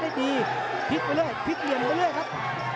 แล้วนี่ประเทศมิดรับมาครับ